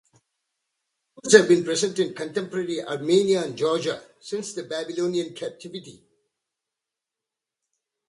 Jews have been present in contemporary Armenia and Georgia since the Babylonian captivity.